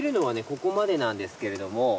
ここまでなんですけれども。